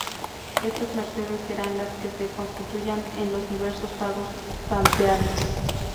Estas mercedes serán las que se constituyan en los diversos pagos pampeanos.